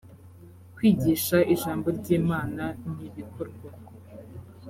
kwigisha ijambo ry imana ni ibikorwa